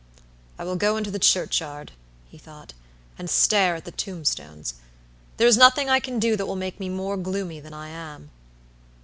"I will go into the churchyard," he thought, "and stare at the tombstones. There is nothing I can do that will make me more gloomy than I am."